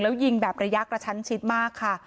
แล้วยิงแบบระยะกระชั้นชิดมากค่ะ